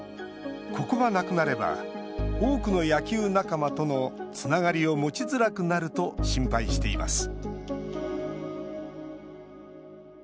ここがなくなれば多くの野球仲間とのつながりを持ちづらくなると心配しています